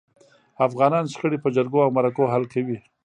افغانان شخړي په جرګو او مرکو حل کوي.